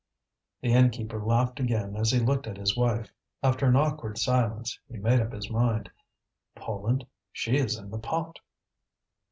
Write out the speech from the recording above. The innkeeper laughed again as he looked at his wife. After an awkward silence he made up his mind: "Poland? She is in the pot."